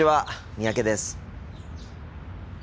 三宅です。